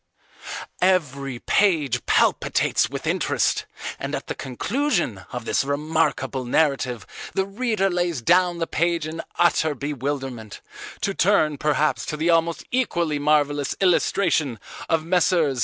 Every page palpitates with interest, and at the conclusion of this remarkable narrative the reader lays down the page in utter bewilderment, to turn perhaps to the almost equally marvellous illustration of Messrs.